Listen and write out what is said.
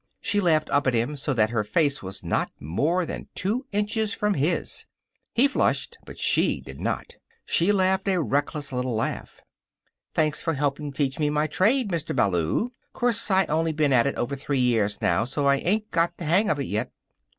She laughed up at him so that her face was not more than two inches from his. He flushed, but she did not. She laughed a reckless little laugh. "Thanks for helping teach me my trade, Mr. Ballou. 'Course I only been at it over three years now, so I ain't got the hang of it yet."